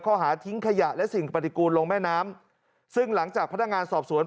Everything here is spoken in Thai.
ข้อหาทิ้งขยะและสิ่งปฏิกูลลงแม่น้ำซึ่งหลังจากพนักงานสอบสวน